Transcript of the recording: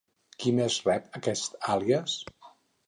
Qui més rep aquest àlies?